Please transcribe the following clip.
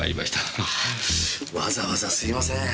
ああわざわざすいません。